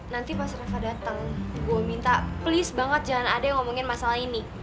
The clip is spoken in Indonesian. nanti pas reka datang gue minta please banget jangan ada yang ngomongin masalah ini